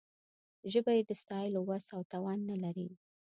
ژبه یې د ستایلو وس او توان نه لري.